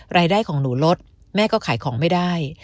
รายได้ของหนูลดแม่ก็ขายของไม่ได้